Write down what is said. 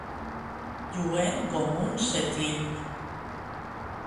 Lluent com un setrill.